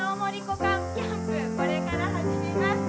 これから始めます。